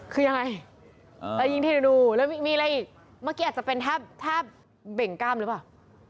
คือยังไงแล้วยิ่งทีเดนูแล้วมีอะไรอีกเมื่อกี้อาจจะเป็นแทบเบ่งกล้ามหรือเปล่า